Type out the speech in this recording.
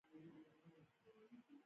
زه نه پوهېږم چې زه څوک وم او ما څه وکړل.